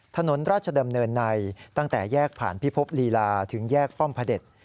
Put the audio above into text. ถนนราชดำเนินในตั้งแต่แยกผ่านพิภพลีลาถึงแยกป้อมพระเด็จ